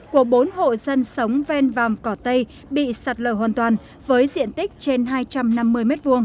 của bốn hộ dân sống ven vàm cỏ tây bị sạt lở hoàn toàn với diện tích trên hai trăm năm mươi m hai